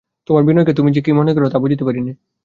তোমার বিনয়কে তুমি কী যে মনে কর তা তো বুঝতে পারি নে।